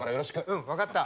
うん分かった。